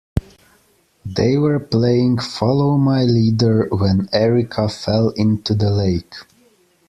They were playing follow my leader when Erica fell into the lake.